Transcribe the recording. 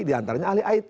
di antaranya ahli it